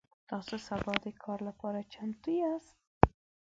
تاسو سبا د کار لپاره چمتو یاست؟